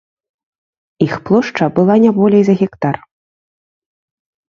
Іх плошча была не болей за гектар.